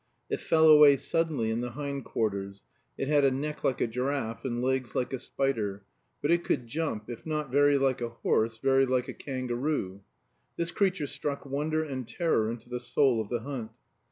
It fell away suddenly in the hind quarters; it had a neck like a giraffe and legs like a spider; but it could jump, if not very like a horse, very like a kangaroo. This creature struck wonder and terror into the soul of the hunt.